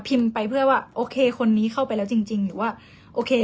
ไปเพื่อว่าโอเคคนนี้เข้าไปแล้วจริงหรือว่าโอเค